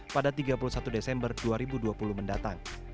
pada tiga puluh satu desember dua ribu dua puluh mendatang